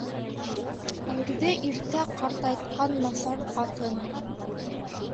Ирҙе иртә ҡартайтҡан насар ҡатын.